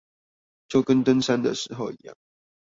就跟登山的時候一樣